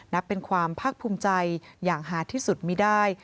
นับเป็นความภาคภูมิใจอย่างหาที่สุดมีได้